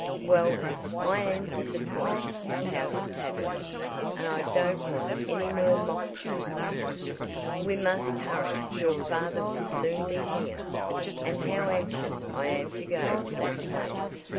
"Well, I am disappointed," pouted Tavia, "and I don't want any more mock trials." "We must hurry, your father will soon be here. And how anxious I am to go to that place.